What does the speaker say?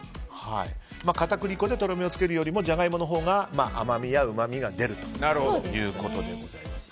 片栗粉でとろみをつけるよりもジャガイモのほうが、甘みやうまみが出るということです。